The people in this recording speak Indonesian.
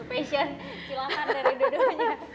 passion silahkan dari dua duanya